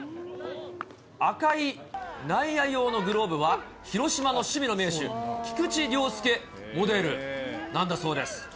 赤い内野用のグローブは、広島の守備の名手、菊池涼介モデルなんだそうです。